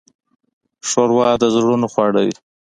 ښوروا د زړونو خواړه دي.